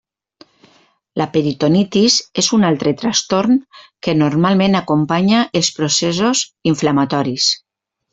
La peritonitis és un altre trastorn que normalment acompanya els processos inflamatoris.